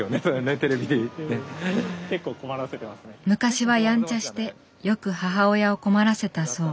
昔はやんちゃしてよく母親を困らせたそう。